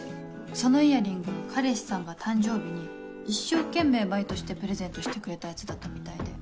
そのイヤリング彼氏さんが誕生日に一生懸命バイトしてプレゼントしてくれたやつだったみたいで。